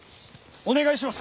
お願いします！